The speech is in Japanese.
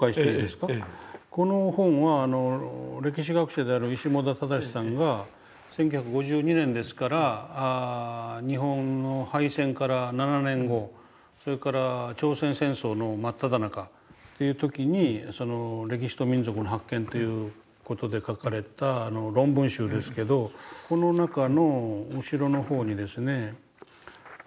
この本は歴史学者である石母田正さんが１９５２年ですから日本の敗戦から７年後それから朝鮮戦争の真っただ中という時に「歴史と民族の発見」という事で書かれた論文集ですけどこの中の後ろの方にですね